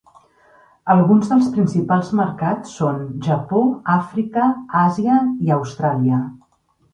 Alguns del principals mercats són Japó, Àfrica, Àsia i Austràlia.